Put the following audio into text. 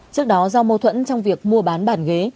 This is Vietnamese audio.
trước đó do mâu thuẫn trong việc mua bán bàn ghế